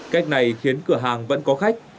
cách này khiến cửa hàng vẫn có khách